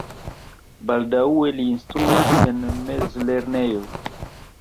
Baldaŭe li instruis en mezlernejo.